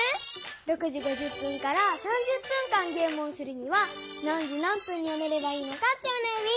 ６時５０分から３０分間ゲームをするには何時何分にやめればいいのかっておなやみ。